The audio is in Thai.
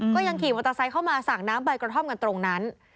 ก็ยังขี่มอเตอร์ไซค์เข้ามาสั่งน้ำใบกระท่อมกันตรงนั้น